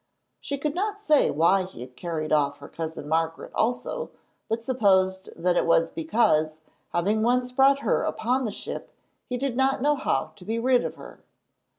She could not say why he had carried off her cousin Margaret also, but supposed that it was because, having once brought her upon the ship, he did not know how to be rid of her.